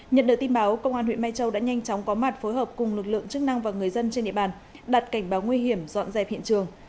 nhận được tin báo công an huyện mai châu đã nhanh chóng có mặt phối hợp cùng lực lượng chức năng và người dân trên địa bàn đặt cảnh báo nguy hiểm dọn dẹp hiện trường